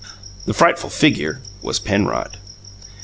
The frightful figure was Penrod.